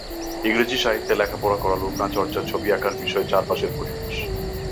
ইংরেজি সাহিত্যে লেখাপড়া করা লুবনা চর্যার ছবি আঁকার বিষয় চারপাশের পরিবেশ।